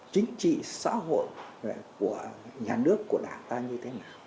chính trị xã hội của nhà nước của đảng ta như thế nào